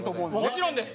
もちろんです！